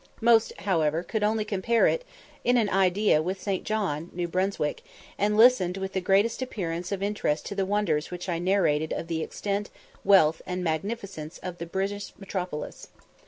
Most, however, could only compare it in idea with St. John, N. B., and listened with the greatest appearance of interest to the wonders which I narrated of the extent, wealth, and magnificence of the British metropolis.